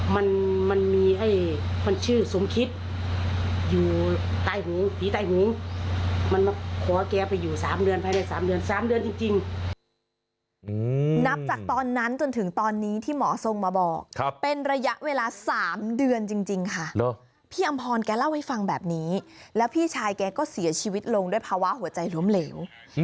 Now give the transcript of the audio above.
พี่อำพรแกเล่าไว้ฟังเป็นแบบนี้แล้วพี่ชายแกก็เสียชีวิตลงด้วยภาวะหัวใจล้มเหลว